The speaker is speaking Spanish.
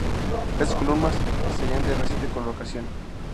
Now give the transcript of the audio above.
Estas columnas serían de reciente colocación.